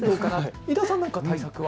井田さん、何か対策は？